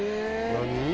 何？